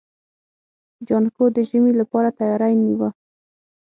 جانکو د ژمي لپاره تياری نيوه.